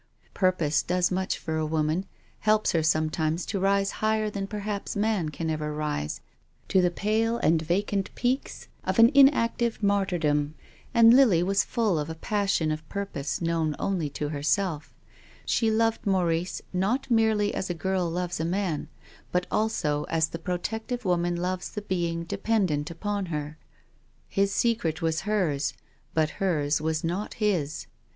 Purpose does much for a woman, helps her sometimes to rise higher than perhaps man can ever rise, to the pale and vacant peaks of an inactive martyrdom. And Lily was full of a passion of purpose known only to herself. She loved Maurice not merely as a girl loves a man, but also as the protective woman loves the being dependent upon her. His secret was hers, but hers was not his.